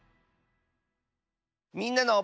「みんなの」。